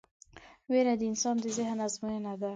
وېره د انسان د ذهن ازموینه ده.